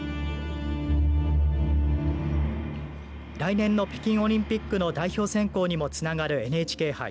来年の北京オリンピックの代表選考にもつながるＮＨＫ杯。